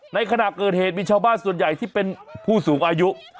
ในขณะเกิดเหตุมีชาวบ้านส่วนใหญ่ที่เป็นผู้สูงอายุ